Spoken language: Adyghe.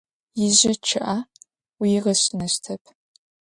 Ижьы чъыIэ уигъэщынэщтэп.